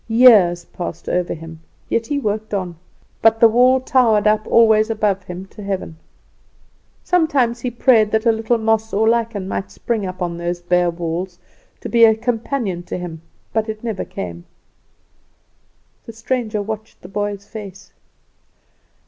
Years passed over him, yet he worked on; but the wall towered up always above him to heaven. Sometimes he prayed that a little moss or lichen might spring up on those bare walls to be a companion to him; but it never came." The stranger watched the boy's face.